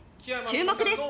注目です」